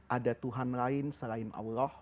ada tuhan lain selain allah